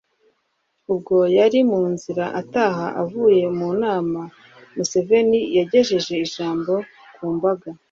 ubwo yari mu nzira ataha avuye mu nama, museveni yagejeje ijambo ku mbaga